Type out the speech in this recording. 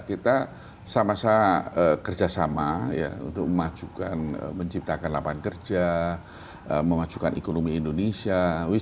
saya masih kerja sama untuk memajukan menciptakan lapangan kerja memajukan ekonomi indonesia